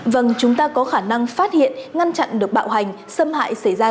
vâng chúng ta có khả năng phát hiện ngăn chặn được bạo hành xâm hại xảy ra